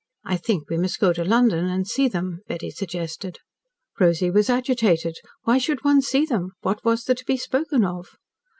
"I think we must go to London and see them," Betty suggested. Rosy was agitated. Why should one see them? What was there to be spoken of?